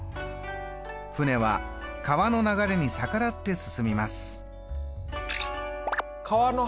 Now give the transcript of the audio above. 舟は川の流れに逆らって進みます。